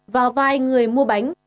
và vài người mua bánh